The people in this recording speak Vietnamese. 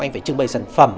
anh phải trưng bày sản phẩm